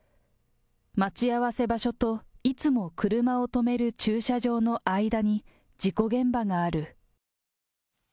待ち合わせ場所と、いつも車を止める駐車場の間に事故現場がある。